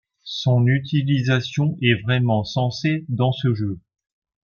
Son utilisation est vraiment sensée dans ce jeu.